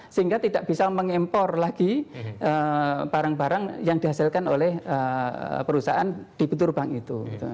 sehingga tidak bisa mengimpor lagi barang barang yang dihasilkan oleh perusahaan di fitur bank itu